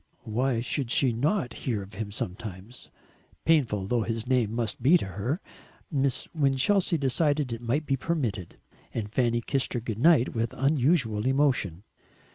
Why should she not hear of him sometimes painful though his name must be to her? Miss Winchelsea decided it might be permitted, and Fanny kissed her good night with unusual emotion.